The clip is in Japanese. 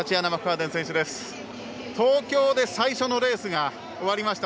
東京で最初のレースが終わりました。